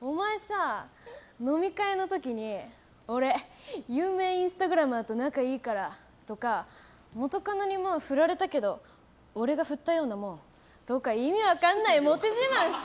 お前さ、飲み会の時に俺、有名インスタグラマーと仲いいからとか元カノに振られたけど俺が振ったようなもんとか意味分かんないモテ自慢してんなよ！